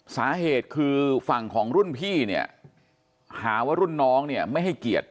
สาเหตุคือฝั่งของรุ่นพี่เนี่ยหาว่ารุ่นน้องเนี่ยไม่ให้เกียรติ